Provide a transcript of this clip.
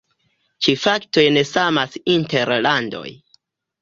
Ĉi faktoj ne samas inter landoj.